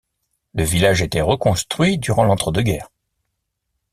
Le village a été reconstruit durant l'entre-deux-guerres.